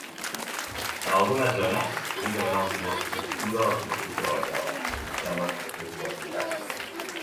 En algunes zones, únicament el color estructura la superfície de la tela, anunciant l'expressionisme abstracte.